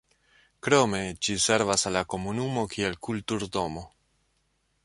Krome ĝi servas al la komunumo kiel kulturdomo.